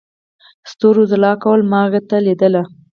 ستورو ځلا کوله، ما هغې ته ليدل.